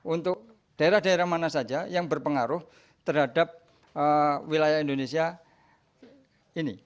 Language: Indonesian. untuk daerah daerah mana saja yang berpengaruh terhadap wilayah indonesia ini